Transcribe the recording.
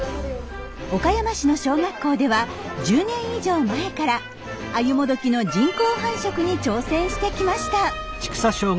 岡山市の小学校では１０年以上前からアユモドキの人工繁殖に挑戦してきました。